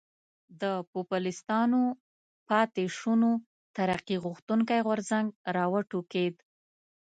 د پوپلستانو پاتې شونو ترقي غوښتونکی غورځنګ را وټوکېد.